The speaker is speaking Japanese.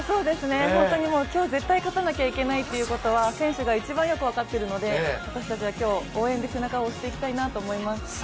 本当にもう今日絶対勝たなきゃいけないということは選手が一番よく分かってるので、私たちは今日、応援で背中を押していただきたいと思います。